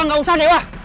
dewa gak usah dewa